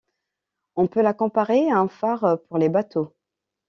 On peut la comparer à un phare pour les bateaux.